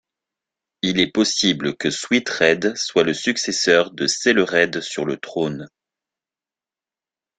Il est possible que Swithred soit le successeur de Selered sur le trône.